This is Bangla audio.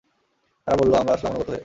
তারা বলল, আমরা আসলাম অনুগত হয়ে।